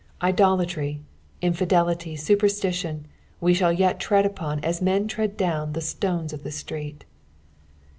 Idolatry, infidelity, sufierHtilion, we shall yet tread upon, as men tread down the Stones of the street.